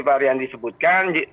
pak ari andi sebutkan